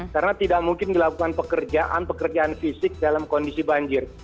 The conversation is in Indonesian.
karena tidak mungkin dilakukan pekerjaan pekerjaan fisik dalam kondisi banjir